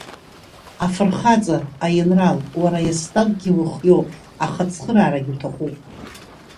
Афырхаҵа, аинрал, уара иаснакгьы ухиоуп, аха ацхыраарагь уҭахуп.